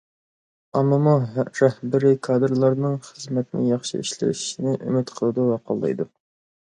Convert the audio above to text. ئاممىمۇ رەھبىرىي كادىرلارنىڭ خىزمەتنى ياخشى ئىشلىشىنى ئۈمىد قىلىدۇ ۋە قوللايدۇ.